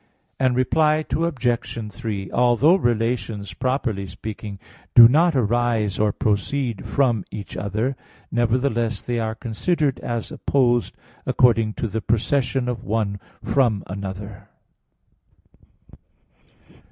Reply Obj. 3: Although relations, properly speaking, do not arise or proceed from each other, nevertheless they are considered as opposed according to the procession of one from another.